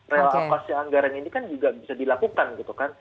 relokasi anggaran ini kan juga bisa dilakukan gitu kan